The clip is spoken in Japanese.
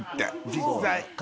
実際。